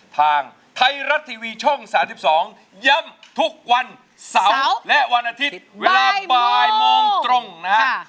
ทางไทยรัฐทีวีช่อง๓๒ย้ำทุกวันเสาร์และวันอาทิตย์เวลาบ่ายโมงตรงนะฮะ